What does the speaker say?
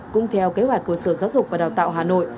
cũng theo kế hoạch của sở giáo dục và đào tạo hà nội